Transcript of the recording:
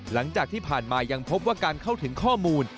หลังจากที่ผ่านมายังพบว่าการเข้าถึงข้อมูล